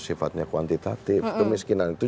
sifatnya kuantitatif kemiskinan itu